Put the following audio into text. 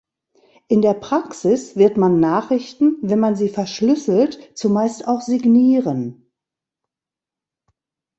In der Praxis wird man Nachrichten, wenn man sie verschlüsselt, zumeist auch signieren.